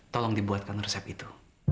tolong dibuatkan resep itu